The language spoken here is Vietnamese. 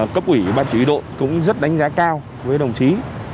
cấp quỷ ba chủ y đội cũng rất đánh giá cao với đồng chí